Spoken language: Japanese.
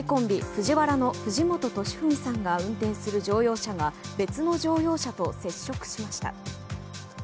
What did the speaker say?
ＦＵＪＩＷＡＲＡの藤本敏史さんが運転する乗用車が別の乗用車と接触しました。